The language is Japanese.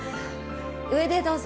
上でどうぞ。